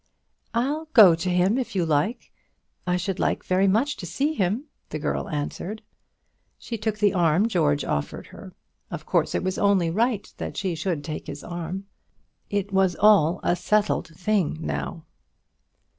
"I'll go to him, if you like; I should like very much to see him," the girl answered. She took the arm George offered her. Of course it was only right that she should take his arm. It was all a settled thing now.